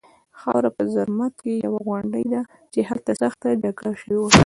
خاوو په زرمت کې یوه غونډۍ ده چې هلته سخته جګړه شوې وه